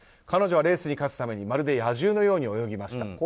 彼女はレースに勝つためにまるで野獣のように泳ぎました。